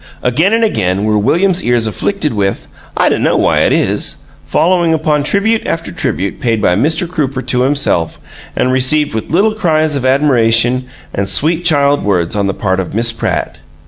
Again and again were William's ears afflicted with, "I dunno why it is," following upon tribute after tribute paid by Mr. Crooper to himself, and received with little cries of admiration and sweet child words on the part of Miss Pratt.